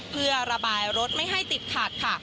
เพื่อระบายรถไม่ให้ติดขัดค่ะ